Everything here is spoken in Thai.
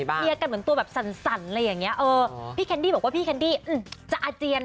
เคลียร์กันเหมือนตัวแบบสั่นอะไรอย่างเงี้เออพี่แคนดี้บอกว่าพี่แคนดี้จะอาเจียน